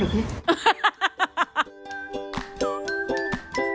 กินกัน